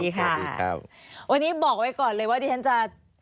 วันนี้บอกไว้ก่อนเลยว่าดิฉันจะ